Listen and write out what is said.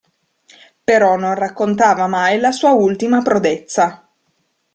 Però non raccontava mai la sua ultima prodezza.